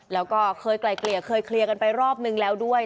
แล้วก็เคยไกลเกลี่ยเคยเคลียร์กันไปรอบนึงแล้วด้วย